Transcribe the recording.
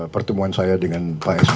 pertemuan saya dengan pak sby